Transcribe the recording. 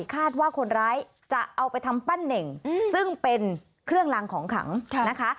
คาดว่าคนร้ายจะเอาไปทำปั้นเน่งซึ่งเป็นเครื่องลางของขังนะคะ